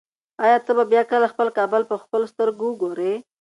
ایا ته به بیا کله خپل کابل په خپلو سترګو وګورې؟